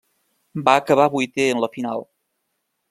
Va acabar vuitè en la final.